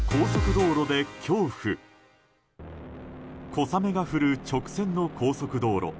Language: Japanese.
小雨が降る直線の高速道路。